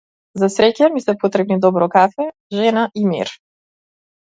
За среќа ми се потребни добро кафе, жена и мир.